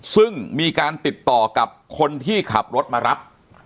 ซึ่งมีการติดต่อกับคนที่ขับรถมารับ